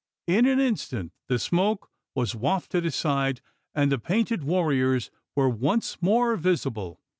In an instant, the smoke was wafted aside; and the painted warriors were once more visible.